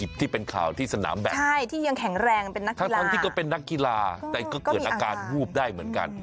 ที่เป็นข่าวที่สนามแบบทั้งที่ก็เป็นนักกีฬาแต่ก็เกิดอาการวูบได้เหมือนกัน